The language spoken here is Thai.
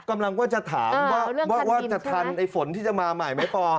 กำลังว่าจะถามว่าจะทันไอ้ฝนที่จะมาใหม่ไหมปอ